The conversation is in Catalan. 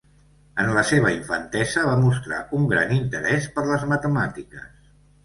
En la seva infantesa va mostrar un gran interès per les matemàtiques.